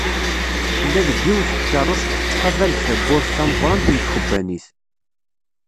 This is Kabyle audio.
Tella deg yiwet tkerrust tettqabal-d tawwurt tameqqrant n tkebbanit.